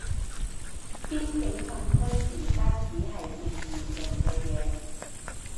邊境禁區而家只係名義上嘅嘢